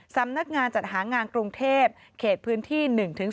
สำนักงานจัดหางานกรุงเทพเขตพื้นที่๑๔